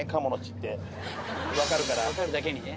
わかるだけにね。